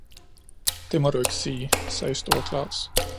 "Det må du ikke sige," sagde store Claus